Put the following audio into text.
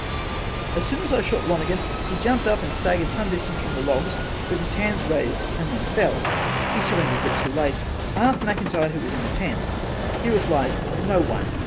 As soon as I shot Lonigan he jumped up and staggered some distance from the logs with his hands raised and then fell he surrendered but too late I asked McIntyre who was in the tent he replied no one.